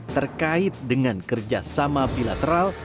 terkait dengan kerja sama bilateral